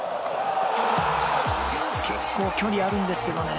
結構、距離あるんですけどね。